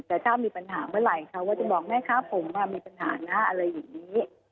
แต่ถ้ามีปัญหาเมื่อไหร่เขาก็จะบอกแม่ค้าผมว่ามีปัญหานะอะไรอย่างนี้